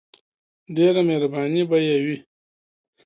ډیره مهربانی به یی وی.